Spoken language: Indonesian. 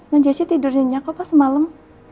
dan jesse tidur nyanyi apa semalam